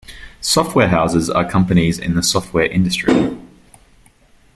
Software houses are companies in the software industry.